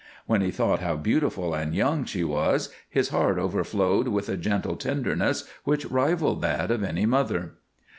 When he thought how beautiful and young she was his heart overflowed with a gentle tenderness which rivaled that of any mother.